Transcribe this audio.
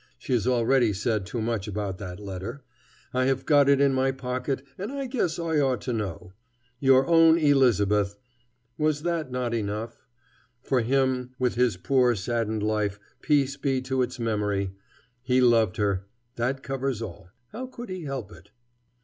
She has already said too much about that letter. I have got it in my pocket, and I guess I ought to know. "Your own Elisabeth" was not that enough? For him, with his poor, saddened life, peace be to its memory! He loved her. That covers all. How could he help it?